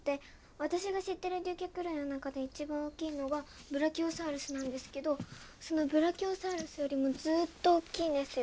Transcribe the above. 私が知ってる竜脚類の中で一番大きいのはブラキオサウルスなんですけどそのブラキオサウルスよりもずっと大きいんですよ。